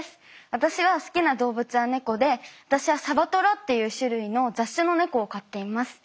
私が好きな動物は猫で私はサバトラっていう種類の雑種の猫を飼っています。